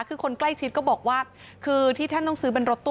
คือคนใกล้ชิดก็บอกว่าคือที่ท่านต้องซื้อเป็นรถตู้